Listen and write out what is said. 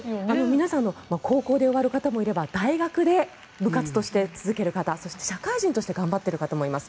皆さん高校で終わる方もいれば大学で部活として続ける方、そして社会人として頑張ってる方もいます。